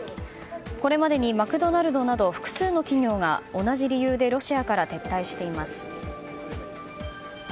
これまでにマクドナルドなど複数の企業が同じ理由でロシアから撤退しています。